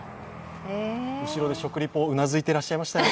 後ろで食リポ、うなずいていらっしゃいましたね。